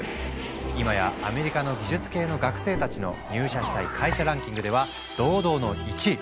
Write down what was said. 今やアメリカの技術系の学生たちの入社したい会社ランキングでは堂々の１位。